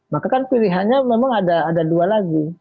maka kan pilihannya memang ada dua lagi